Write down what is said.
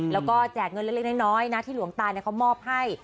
แล้วก็แจกเงินเล็กน้อยนะที่หลวงตาเขามอบให้